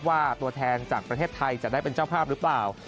ว่าตัวแทนจากประเทศไทยจะได้เป็นเจ้าภาพหรือเปล่า